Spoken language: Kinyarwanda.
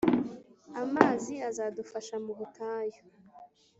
Amazi azadufasha mu butayu